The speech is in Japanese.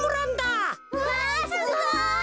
うわすごい！